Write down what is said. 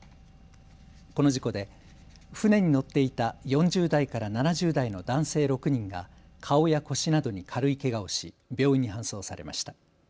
この事故で船に乗っていた４０代から７０代の男性６人が顔や腰などに軽いけがをし病院に搬送されました。